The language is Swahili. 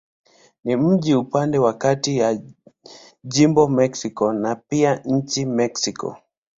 Ni mji upande wa kati ya jimbo Mexico na pia nchi Mexiko.